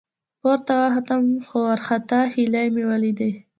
، پورته وختم، څو وارخطا هيلۍ مې ولېدې.